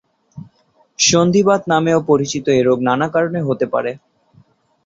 সন্ধিবাত নামেও পরিচিত এ রোগ নানা কারণে হতে পারে।